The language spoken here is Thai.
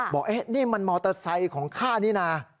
บอกนี่มันมอเตอร์ไซค์ของข้านี่นะ